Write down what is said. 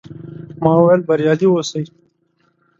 ما وویل، بریالي اوسئ.